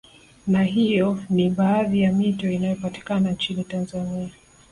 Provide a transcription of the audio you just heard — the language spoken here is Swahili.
Na hiyo ni baadhi ya mito inayopatikana nchini Tanzania